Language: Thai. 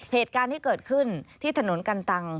เหตุการณ์ที่เกิดขึ้นที่ถนนกันตัง